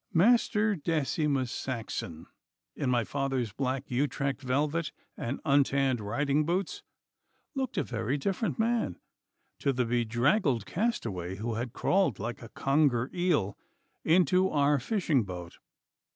Master Decimus Saxon in my father's black Utrecht velvet and untanned riding boots looked a very different man to the bedraggled castaway who had crawled like a conger eel into our fishing boat.